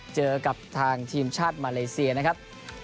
เจอกับทางทีมชาติมาเลเซียนะครับ